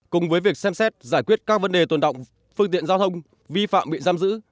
cùng với việc xem xét giải quyết các vấn đề tồn động phương tiện giao thông vi phạm bị giam giữ